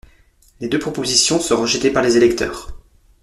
Les deux propositions sont rejettées par les électeurs.